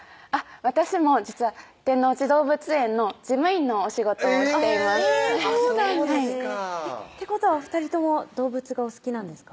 私も実は天王寺動物園の事務員のお仕事をしていますそうですかってことはお２人とも動物がお好きなんですか？